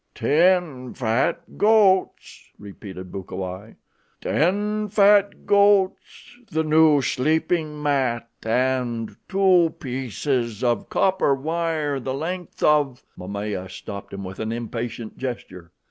"Ten fat goats," repeated Bukawai. "Ten fat goats, the new sleeping mat and two pieces of copper wire the length of " Momaya stopped him with an impatient gesture.